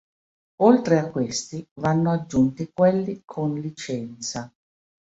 Oltre a questi vanno aggiunti quelli con licenza.